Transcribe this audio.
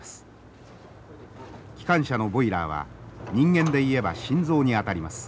機関車のボイラーは人間で言えば心臓にあたります。